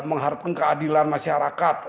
mengharapkan keadilan masyarakat